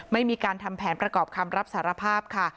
ไม่มีการทำแผนประกอบคำรับสารภาพค่ะ